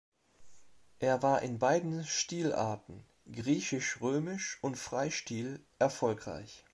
Er war in beiden Stilarten, griechisch-römisch und Freistil, erfolgreich.